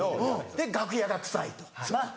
で楽屋が臭いとなっ。